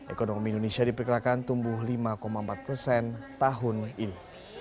ekonomi indonesia diperkirakan tumbuh lima empat persen tahun ini